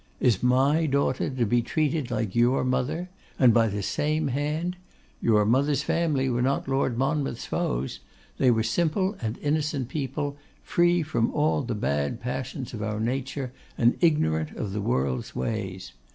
Is my daughter to be treated like your mother? And by the same hand? Your mother's family were not Lord Monmouth's foes. They were simple and innocent people, free from all the bad passions of our nature, and ignorant of the world's ways.